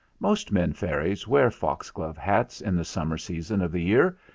Most men fairies wear foxglove hats in the Summer sea son of the year.